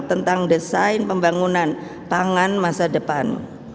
tentang desain pembangunan pangan masa depan